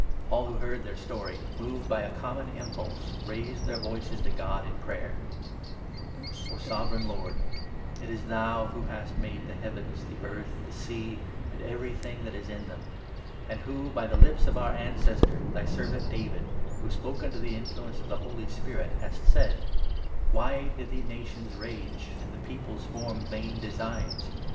All who heard their story, moved by a 24 common impulse, raised their voices to God in prayer : "O Sovereign Lord, it is thou who hast ' made the heavens, the earth, the sea, and everything that is in them,' and who, by the 25 lips of our ancestor, thy servant David, who spoke under the influence of the Holy Spirit, hast said —' Why did the nations rage, And the peoples form vain designs